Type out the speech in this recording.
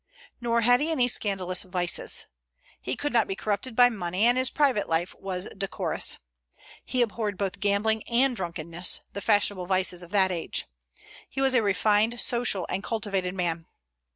Nor had he any scandalous vices. He could not be corrupted by money, and his private life was decorous. He abhorred both gambling and drunkenness, the fashionable vices of that age. He was a refined, social, and cultivated man.